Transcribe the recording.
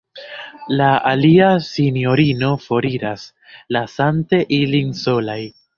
La alia sinjorino foriras, lasante ilin solaj.